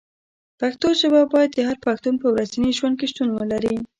پښتو ژبه باید د هر پښتون په ورځني ژوند کې شتون ولري.